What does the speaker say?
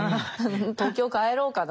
東京帰ろうかな